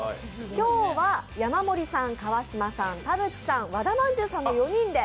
今日は山盛りさん、川島さん、田渕さん、和田まんじゅうさんの４人で。